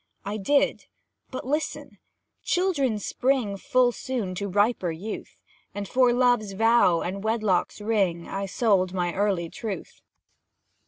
I did. But listen! Children spring Full soon to riper youth; And, for Love's vow and Wedlock's ring, I sold my early truth.